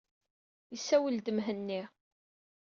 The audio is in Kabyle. Isawel-d Mhenni.